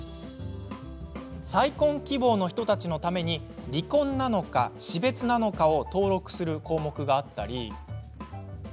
再婚希望の人たちのために離婚なのか、死別なのかを登録する項目があったり。